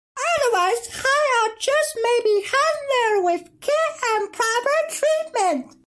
Otherwise, high arches may be handled with care and proper treatment.